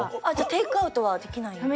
あっじゃあテークアウトはできない？